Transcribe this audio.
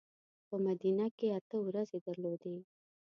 په مدینه کې اته ورځې درلودې.